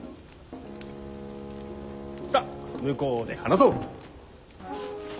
さっ向こうで話そう！